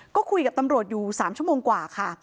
ก็คุยกับตำรวจอยู่๓ชั่วโมงกว่าค่ะ